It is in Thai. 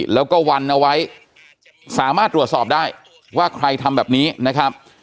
แล้วก็วันเอาไว้สามารถตรวจสอบได้ว่าใครทำแบบนี้นะครับ